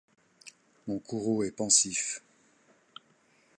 Mon courroux est pensif.